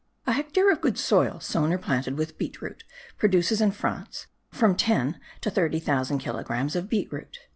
A hectare of good soil, sown or planted with beet root, produces in France from ten to thirty thousand kilogrammes of beet root.